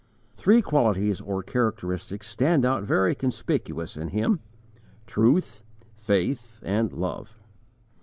Three qualities or characteristics stand out very conspicuous in him: truth, faith, and _love.